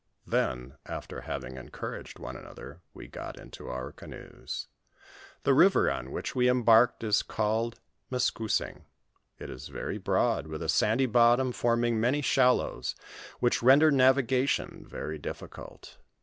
Then after having en couraged one another, we got into our canoes. The river on which we embarked is called Meskousing ; it is very broad, with a sandy bottom, forming many shallows, which render navigation very difficult.